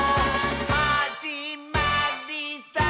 「はじまりさー」